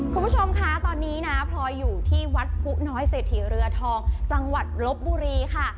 คุณผู้ชมคะตอนนี้นะพลอยอยู่ที่วัดผู้น้อยเศรษฐีเรือทองจังหวัดลบบุรีค่ะ